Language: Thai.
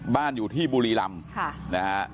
บ้านอยู่ที่บุรีรำ